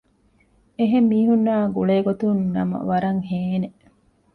އެހެން މީހުންނާ ގުޅޭ ގޮތުން ނަމަ ވަރަށް ހޭނނެ